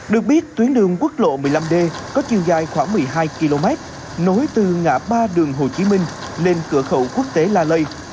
được biết tuyến đường quốc lộ một mươi năm d có chiều dài khoảng một mươi hai km nối từ ngã ba đường hồ chí minh lên cửa khẩu quốc tế la lây